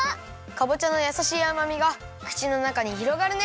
かぼちゃのやさしいあまみがくちのなかにひろがるね！